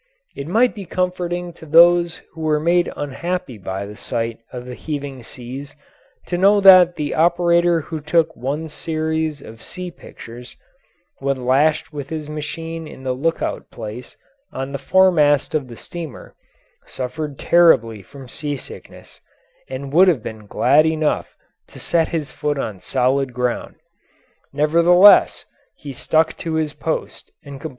It might be comforting to those who were made unhappy by the sight of the heaving seas to know that the operator who took one series of sea pictures, when lashed with his machine in the lookout place on the foremast of the steamer, suffered terribly from seasickness, and would have been glad enough to set his foot on solid ground; nevertheless, he stuck to his post and completed the series.